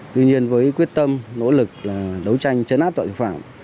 tuy nhiên với quyết tâm nỗ lực đấu tranh chấn áp tội phạm